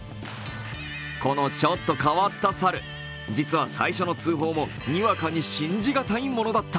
このちょっと変わった猿、実は最初の通報もにわかに信じ難いものだった。